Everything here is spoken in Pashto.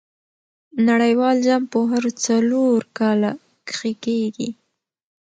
نړۍوال جام په هرو څلور کاله کښي کیږي.